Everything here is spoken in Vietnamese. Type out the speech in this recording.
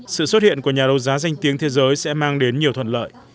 sự xuất hiện của nhà đấu giá danh tiếng thế giới sẽ mang đến nhiều thuận lợi